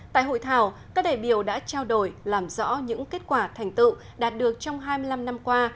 tại hội thảo các đại biểu đã trao đổi làm rõ những kết quả thành tựu đạt được trong hai mươi năm năm qua